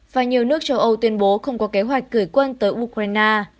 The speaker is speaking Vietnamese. và nhiều nước châu âu tuyên bố không có kế hoạch gửi quân tới ukraine